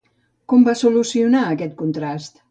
Com va solucionar aquest contrast?